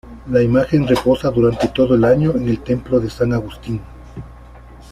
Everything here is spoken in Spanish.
La imagen reposa durante todo el año en el Templo de San Agustín.